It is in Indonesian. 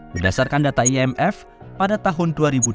berdasarkan data imf pada tahun dua ribu dua puluh